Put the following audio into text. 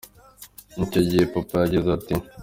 Icyo gihe Papa yagize ati “….